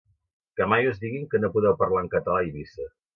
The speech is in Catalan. Que mai us diguin que no podeu parlar en català a Eivissa.